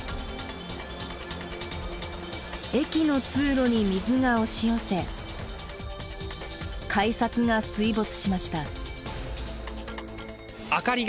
駅の通路に水が押し寄せ改札が水没しました。